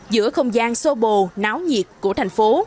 giữa không gian sô bồ náo nhiệt của thành phố